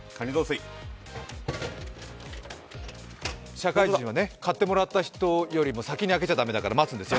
社会人は買ってもらった人よりも先に開けちゃだめだから。